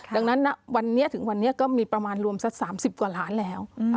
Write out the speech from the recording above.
ดังนั้นวันนี้ถึงวันนี้ก็มีประมาณรวมสัก๓๐กว่าล้านแล้ว